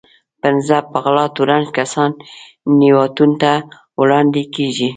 پنځه په غلا تورن کسان نياوتون ته وړاندې کېږي.